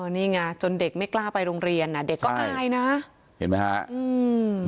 นี่ไงจนเด็กไม่กล้าไปโรงเรียนอ่ะเด็กก็อายนะเห็นไหมฮะอืม